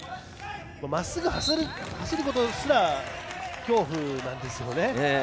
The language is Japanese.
まっすぐ走ることすら恐怖なんですね。